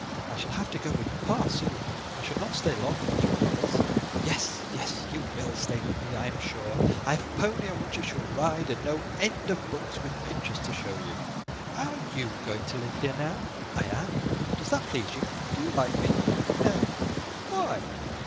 "I shall have to go with papa soon: I shall not stay long at your mother's." "Yes, yes; you will stay with me, I am sure. I have a pony on which you shall ride, and no end of books with pictures to show you." "Are you going to live here now?" "I am. Does that please you? Do you like me?" "No." "Why?"